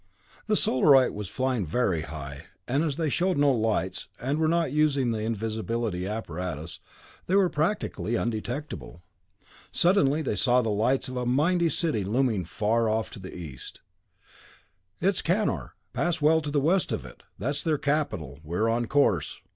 The Solarite was flying very high, and as they showed no lights, and were not using the invisibility apparatus, they were practically undetectable. Suddenly they saw the lights of a mighty city looming far off to the east. "It's Kanor. Pass well to the west of it. That's their capital. We're on course."